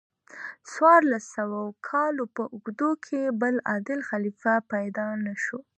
څوارلس سوو کالو په اوږدو کې بل عادل خلیفه پیدا نشو.